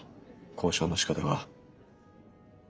交渉のしかたが。